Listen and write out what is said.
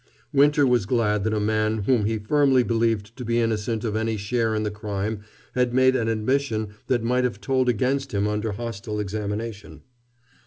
Winter was glad that a man whom he firmly believed to be innocent of any share in the crime had made an admission that might have told against him under hostile examination.